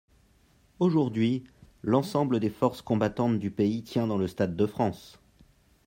Aujourd’hui, l’ensemble des forces combattantes du pays tient dans le stade de France.